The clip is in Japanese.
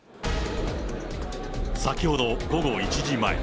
先ほど午後１時前。